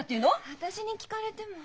私に聞かれても。